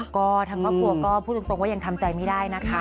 ก็ทางครอบครัวก็พูดตรงว่ายังทำใจไม่ได้นะคะ